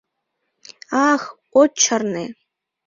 — Ах, от чарне!